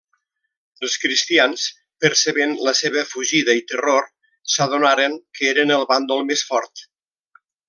Els cristians, percebent la seva fugida i terror, s'adonaren que eren el bàndol més fort.